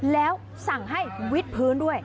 แล้วสั่งให้วิดพื้นด้วย